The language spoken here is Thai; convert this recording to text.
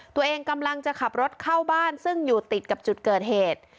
ตัวเองกำลังจะขับรถเข้าบ้านซึ่งอยู่ติดกับจุดเกิดเหตุ